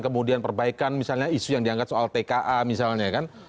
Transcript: kemudian perbaikan misalnya isu yang diangkat soal tka misalnya kan